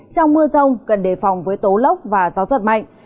trong mưa rông cần đề phòng với tố lốc và gió giật mạnh